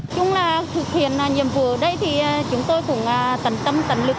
chúng là thực hiện nhiệm vụ ở đây thì chúng tôi cũng tầm tâm tầm lực